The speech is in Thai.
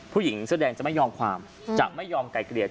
ผู้หญิงเสื้อแดงจะไม่ยอมความจะไม่ยอมไกลเกลียด